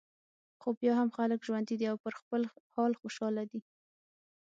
خو بیا هم خلک ژوندي دي او پر خپل حال خوشاله دي.